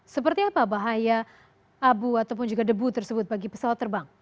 seperti apa bahaya abu ataupun juga debu tersebut bagi pesawat terbang